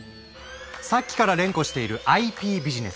さっきから連呼しているＩＰビジネス。